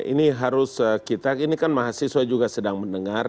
ini harus kita ini kan mahasiswa juga sedang mendengar